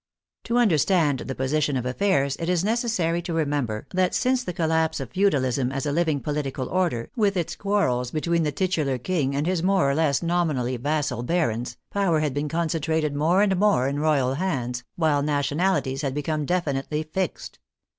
To understand the position of affairs it is necessary to remember that since the collapse of feudalism as a living political order, with its quarrels between the titular King and his more or less nominally vassal barons, power had been concen trated more and more in royal hands, while nationalities had become definitely fixed.